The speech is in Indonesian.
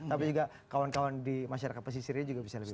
tapi juga kawan kawan di masyarakat pesisirnya juga bisa lebih